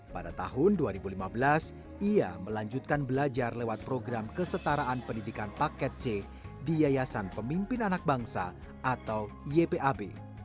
pada tahun dua ribu lima belas ia melanjutkan belajar lewat program kesetaraan pendidikan paket c di yayasan pemimpin anak bangsa atau ypab